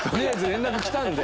「連絡来たんで」